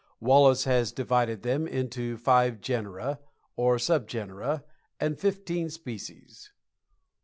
Wallace has divided them into five genera or subgenera, and fifteen species.